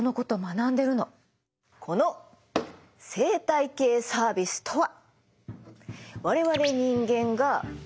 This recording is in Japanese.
この生態系サービスとは。